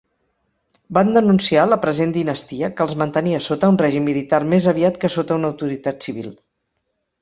Van denunciar "la present dinastia" que els mantenia sota un règim militar més aviat que sota una autoritat civil.